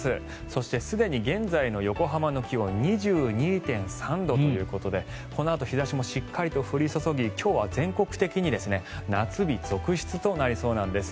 そして、すでに現在の横浜の気温は２２．３度ということでこのあと日差しもしっかりと降り注ぎ今日は全国的に夏日続出となりそうなんです。